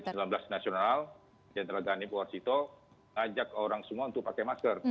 sehingga kerasa gas covid sembilan belas nasional general ghanib warsito ajak orang semua untuk pakai masker